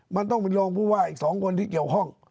มันต้องเป็นรองผู้ว่าอีก๒คนที่เกี่ยวข้อง